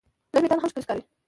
لږ وېښتيان هم ښکلي ښکاري.